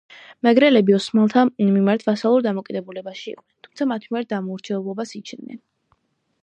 მეგრელები ოსმალთა მიმართ ვასალურ დამოკიდებულებაში იყვნენ, თუმცა მათ მიმართ დაუმორჩილებლობას იჩენდნენ.